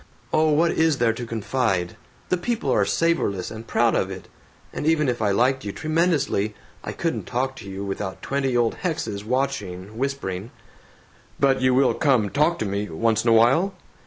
"Oh, what is there to confide? The people are savorless and proud of it. And even if I liked you tremendously, I couldn't talk to you without twenty old hexes watching, whispering." "But you will come talk to me, once in a while?"